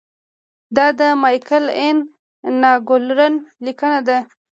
دا د مایکل این ناګلر لیکنه ده.